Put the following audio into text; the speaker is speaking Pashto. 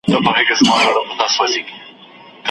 ځمه له سبا سره مېلمه به د خزان یمه